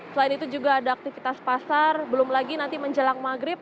selain itu juga ada aktivitas pasar belum lagi nanti menjelang maghrib